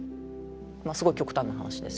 すごい極端な話ですけど。